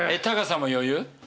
高さも余裕？